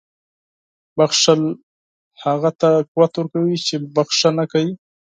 • بښل هغه ته قوت ورکوي چې بښنه کوي.